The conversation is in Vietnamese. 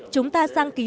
chúng ta giăng ký mua